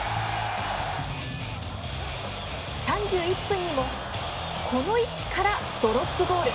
３１分にも、この位置からドロップゴール。